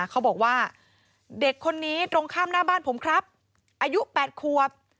เขาบอกว่าเด็กคนนี้ตรงข้ามหน้าบ้านผมครับอายุ๘ควบ